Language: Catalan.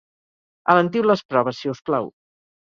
“Alentiu les proves, si us plau!”